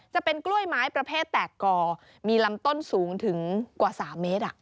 จะเป็นกล้วยไม้ประเภทแตกกอมีลำต้นสูงถึงกว่า๓เมตร